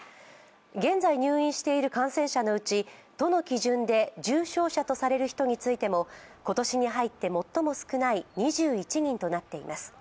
現在入院している感染者のうち都の基準で重症者とされる人についても今年に入って最も少ない２１人となっています。